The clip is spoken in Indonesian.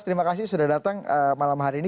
terima kasih sudah datang malam hari ini